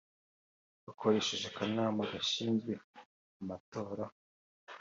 bakoresheje akanama gashinzwe amatora